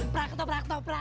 prak toh prak toh prak